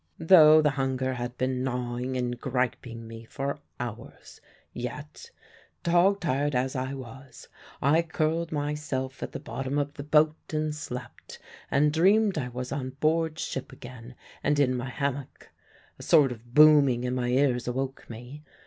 "Though the hunger had been gnawing and griping me for hours, yet dog tired as I was I curled myself at the bottom of the boat and slept, and dreamed I was on board ship again and in my hammock. A sort of booming in my ears awoke me.